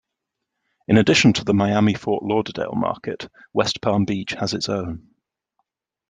In addition to the Miami-Fort Lauderdale market, West Palm Beach has its own.